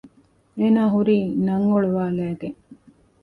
އޭނާ ހުރީ ނަން އޮޅުވާލައިގެން